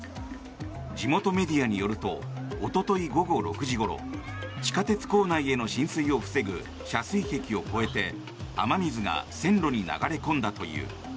地元メディアによると一昨日午後６時ごろ地下鉄構内への浸水を防ぐ遮水壁を越えて雨水が線路に流れ込んだという。